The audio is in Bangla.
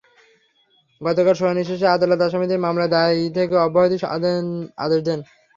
গতকাল শুনানি শেষে আদালত আসামিদের মামলার দায় থেকে অব্যাহতির আদেশ দেন।